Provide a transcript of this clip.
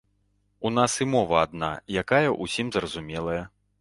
У нас і мова адна, якая ўсім зразумелая.